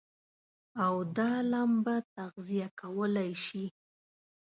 او دا لمبه تغذيه کولای شي.